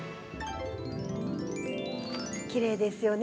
◆きれいですよね。